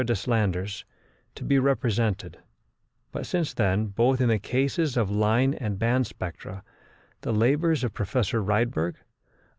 Deslandres, to be represented; but since then, both in the cases of line and band spectra, the labours of Professor Rydberg, of M.